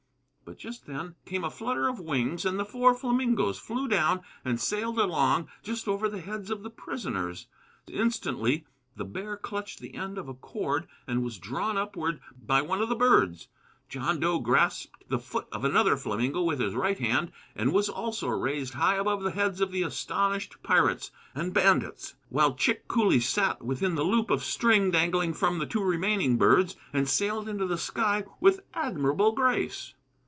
But just then came a flutter of wings, and the four flamingoes flew down and sailed along just over the heads of the prisoners. Instantly the bear clutched the end of a cord and was drawn upward by one of the birds. John Dough grasped the foot of another flamingo with his right hand, and was also raised high above the heads of the astonished pirates and bandits, while Chick coolly sat within the loop of string dangling from the two remaining birds and sailed into the sky with admirable grace.